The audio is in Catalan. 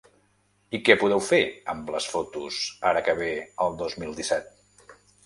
I què podeu fer amb les fotos ara que ve el dos mil disset?